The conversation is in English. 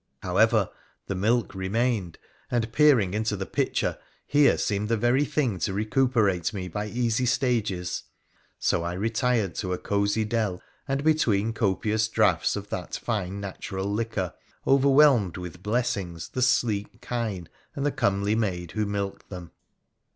However, the milk remained, and, peering into the pitcher, here seemed the very thing to recuperate me by easy stages. So I retired to a cosy dell, and, between copious draughts of that fine natural liquor, overwhelmed with blessings the sleek kine and the comely maid who milked them.